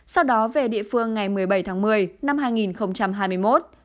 sau đó về địa phương ngày một mươi bảy tháng một mươi năm hai nghìn hai mươi một